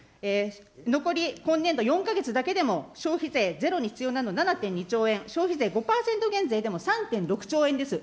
残り今年度４か月だけでも消費税ゼロに必要なの７．２兆円、消費税５％減税でも３．６兆円です。